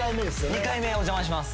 ２回目お邪魔します。